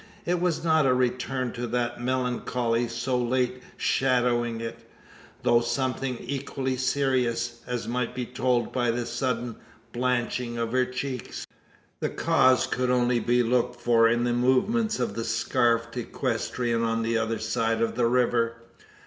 It was not a return to that melancholy so late shadowing it; though something equally serious as might be told by the sudden blanching of her cheeks. The cause could only be looked for in the movements of the scarfed equestrian on the other side of the river.